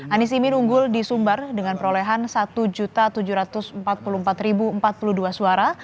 anies ini unggul di sumbar dengan perolehan satu tujuh ratus empat puluh empat empat puluh dua suara